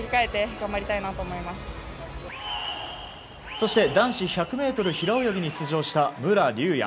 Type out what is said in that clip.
そして、男子１００ｍ平泳ぎに出場した武良竜也。